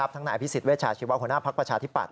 ทั้งหน่ายพิสิทธิ์เวชาชีวาหัวหน้าภักดิ์ประชาธิบัตร